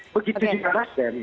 begitu juga nasdem